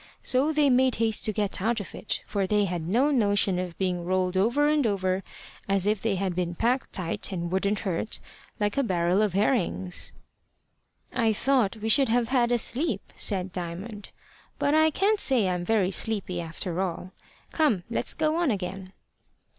So they made haste to get out of it, for they had no notion of being rolled over and over as if they had been packed tight and wouldn't hurt, like a barrel of herrings. "I thought we should have had a sleep," said Diamond; "but I can't say I'm very sleepy after all. Come, let's go on again."